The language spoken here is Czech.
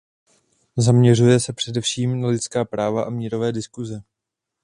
Zaměřuje se především na lidská práva a mírové diskuse.